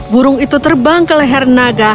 burung itu terbang ke leher naga